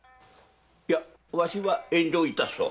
いやわしは遠慮致そう。